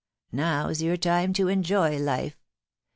Now^s your time to enjoy life.